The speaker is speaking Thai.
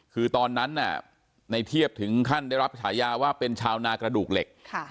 คือตอนนั้นในเทียบถึงขั้นได้รับฉายาว่าเป็นชาวนากระดูกเหล็ก